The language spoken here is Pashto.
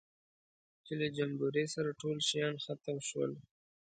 چې له جمبوري سره ټول شیان ختم شول.